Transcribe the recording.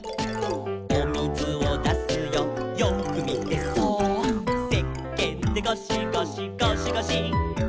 「おみずをだすよよーくみてそーっ」「せっけんでゴシゴシゴシゴシ」